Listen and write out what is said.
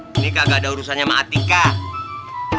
ini kagak ada urusannya ma'atikah